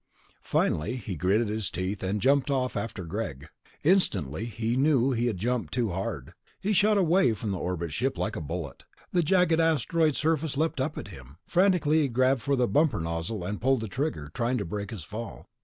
Finally he gritted his teeth and jumped off after Greg. Instantly he knew that he had jumped too hard. He shot away from the orbit ship like a bullet; the jagged asteroid surface leaped up at him. Frantically he grabbed for the bumper nozzle and pulled the trigger, trying to break his fall.